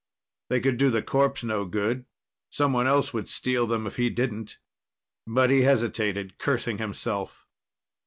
They could do the corpse no good; someone else would steal them if he didn't. But he hesitated, cursing himself.